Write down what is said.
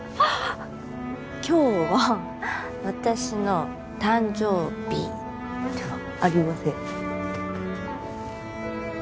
今日は私の誕生日ではありません。